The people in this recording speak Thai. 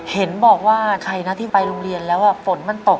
เห็นบอกว่าใครนะที่ไปโรงเรียนแล้วฝนมันตก